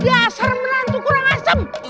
ya serem banget tuh kurang asem